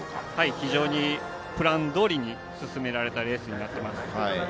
非常にプランどおり進められたレースだったと思います。